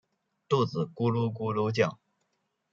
肚子咕噜咕噜叫